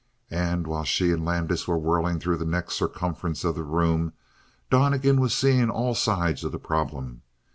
And while she and Landis were whirling through the next circumference of the room, Donnegan was seeing all sides of the problem.